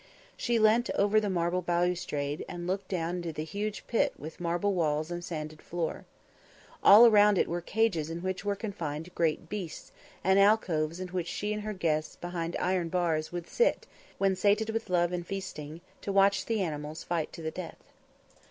She leant over the marble balustrade and looked down into the huge pit with marble walls and sanded floor. All around it were cages in which were confined great beasts; and alcoves in which she and her guests, behind iron bars, would sit, when sated with love and feasting, to watch the animals fight to the death.